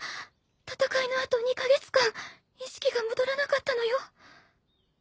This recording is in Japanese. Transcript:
戦いの後２カ月間意識が戻らなかったのよ。